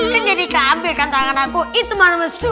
kan jadi kakek ambil kan tangan aku itu mana masing mang